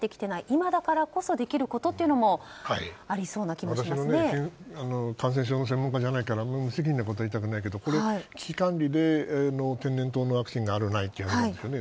今だからこそできることも私は感染症の専門家じゃないから無責任なことは言いたくないけど危機管理で天然痘のワクチンがあるかないかですね。